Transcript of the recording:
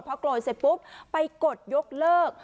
พอโกรธเสร็จปุ๊บไปกดยกเลิก